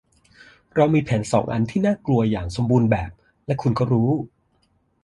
เรามีแผนสองอันที่น่ากลัวอย่างสมบูรณ์แบบและคุณก็รู้